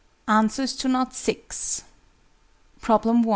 ANSWERS TO KNOT VI. _Problem 1.